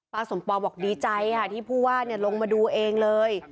สมปองบอกดีใจค่ะที่ผู้ว่าลงมาดูเองเลย